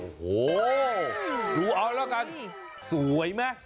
โอ้โหดูเอาแล้วกันสวยไหม